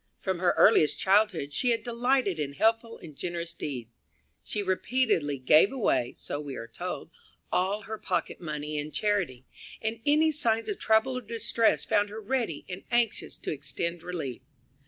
From her earliest childhood she had delighted in helpful and generous deeds. She repeatedly gave away, so we are told, all her pocket money in charity, and any sign of trouble or distress found her ready and anxious to extend relief.